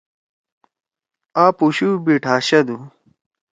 آ پوشو بِٹھاشہ دو۔